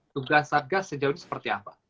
tugas satgas sejauh ini seperti apa